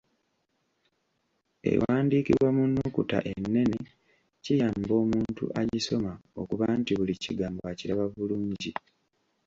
Ewandiikibwa mu nnukuta ennene kiyamba omuntu agisoma okuba nti buli kigambo akiraba bulungi.